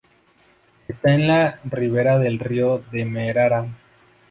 Esta en la ribera del río Demerara.